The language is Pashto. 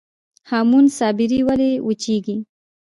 هامون صابري ولې وچیږي؟